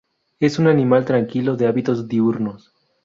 Es un animal tranquilo de hábitos diurnos.